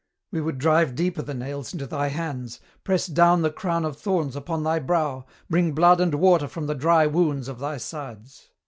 We would drive deeper the nails into thy hands, press down the crown of thorns upon thy brow, bring blood and water from the dry wounds of thy sides.